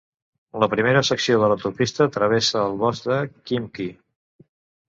La primera secció de l'autopista travessa el bosc de Khimki.